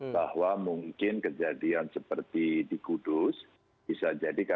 bahwa mungkin kejadian seperti di kudus bisa jadi